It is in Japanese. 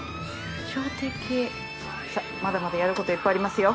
抽象的。さまだまだやることいっぱいありますよ。